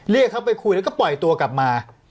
เรียกเขาไปคุยแล้วก็ปล่อยตัวกลับมา